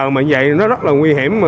mà vậy nó rất là nguy hiểm